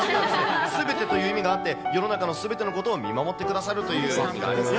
すべてという意味があって、世の中のすべてのことを見守ってくださるという意味があります。